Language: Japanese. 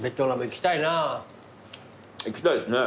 行きたいですね。